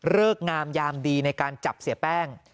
งามยามดีในการจับเสียแป้ง